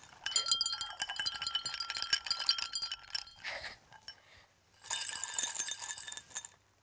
フフッ。